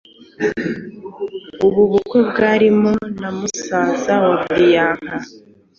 Ubu bukwe bwarimo na musaza wa Priyanka